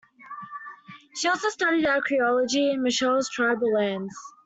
She also studied archaeology in Michelle's tribal lands.